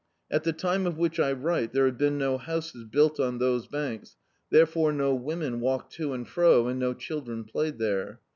At the time of which I write there had been no houses built on those banks, therefore no women walked to and fro, and no children played there.